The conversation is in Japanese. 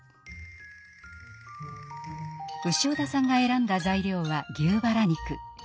潮田さんが選んだ材料は牛バラ肉。